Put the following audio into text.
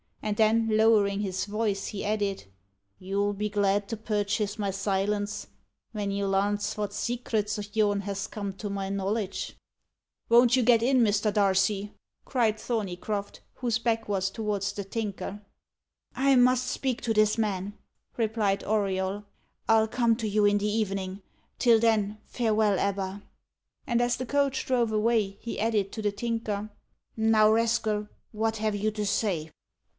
And then, lowering his voice, he added, "You'll be glad to purchase my silence ven you larns wot secrets o' yourn has come to my knowledge." "Won't you get in, Mr. Darcy?" cried Thorneycroft, whose back was towards the Tinker. "I must speak to this man," replied Auriol. "I'll come to you in the evening. Till then, farewell, Ebba." And, as the coach drove away, he added to the Tinker, "Now, rascal, what have you to say?"